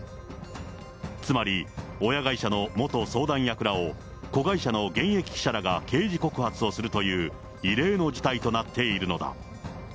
つまり親会社の元相談役らを、子会社の現役記者らが刑事告発をするという異例の事態となっているのだ。